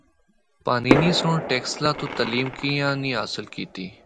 پانینی سنڑ ٹیکسلا تو تعلیم کیاں نیں حاصل کیتی۔